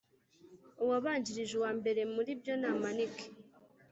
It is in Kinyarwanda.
Uwabanjirije uwambere Muri byo namanike